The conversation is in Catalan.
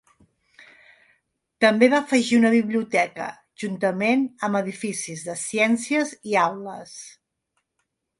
També va afegir una biblioteca juntament amb edificis de ciències i aules.